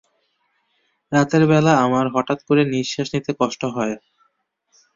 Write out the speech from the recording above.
রাতের বেলা আমার হঠাৎ করে নিঃশ্বাস নিতে কষ্ট হয়।